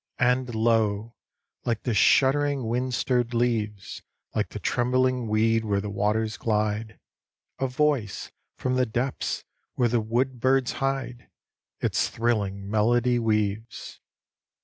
And lo! like the shuddering wind stirred leaves, Like the trembling weed where the waters glide, A voice from the depths where the wood birds hide Its thrilling melody weaves.